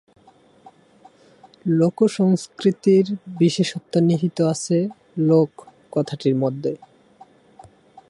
লোকসংস্কৃতির বিশেষত্ব নিহিত আছে 'লোক' কথাটির মধ্যে।